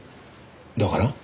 だから？